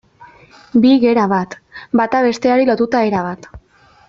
Bi gera bat, bata besteari lotuta erabat.